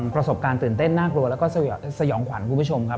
ประสบการณ์ตื่นเต้นน่ากลัวแล้วก็สยองขวัญคุณผู้ชมครับ